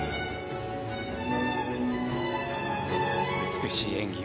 美しい演技